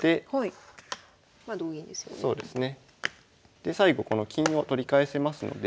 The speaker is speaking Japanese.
で最後この金を取り返せますので。